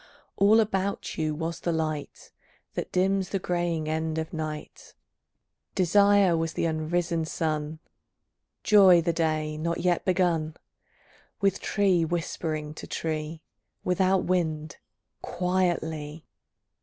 All about you was the light That dims the greying end of night; Desire was the unrisen sun, Joy the day not yet begun, With tree whispering to tree, Without wind, quietly.